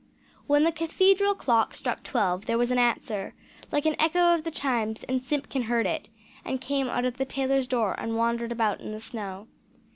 When the Cathedral clock struck twelve there was an answer like an echo of the chimes and Simpkin heard it, and came out of the tailor's door, and wandered about in the snow.